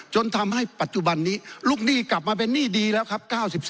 จนทำให้ปัจจุบันนี้ลูกหนี้กลับมาเป็นหนี้ดีแล้วครับ๙๔